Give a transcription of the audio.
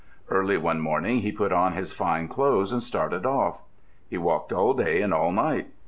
Early one morning he put on his fine clothes and started off. He walked all day and all night.